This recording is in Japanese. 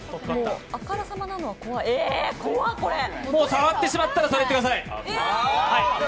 触ってしまったらそれください。